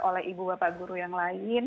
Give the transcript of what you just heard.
oleh ibu bapak guru yang lain